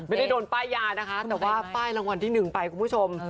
ไม่ได้โดนป้ายยานะคะแต่ว่าป้ายรางวัลที่๑ไปคุณผู้ชม